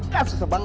kasian tahu keatna